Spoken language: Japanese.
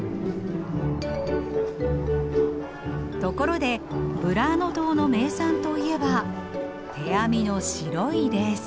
ところでブラーノ島の名産といえば手編みの白いレース。